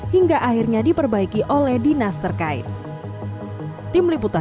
hingga akhirnya diperbaiki oleh dinas terkait